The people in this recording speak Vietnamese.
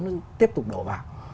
nó tiếp tục đổ vào